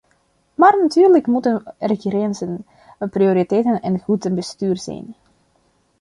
Maar natuurlijk moeten er grenzen, prioriteiten en goed bestuur zijn.